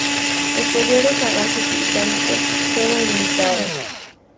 Posteriores avances británicos fueron limitados.